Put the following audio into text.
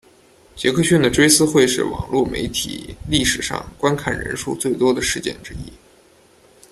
杰克逊的追思会是网路媒体历史上观看人数最多的事件之一。